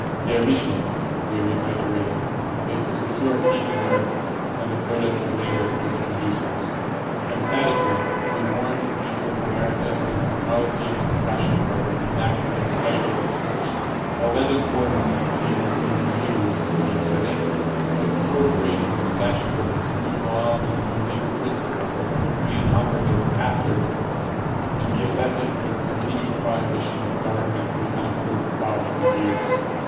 Their mission, we reiterated, is to secure peace on earth, and the product of labor to the producers. Emphatically we warned the people of America against the policy of suppression by the enactment of special legislation. Al leged war necessity was being used — we asserted — to incorporate in the statute books new laws and new legal principles that would remain operative after the war, and be effective for the continued prohibition of governmentally unapproved thoughts and views.